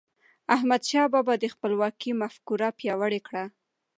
احمدشاه بابا د خپلواکی مفکوره پیاوړې کړه.